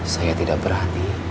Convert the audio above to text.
saya tidak bagi hati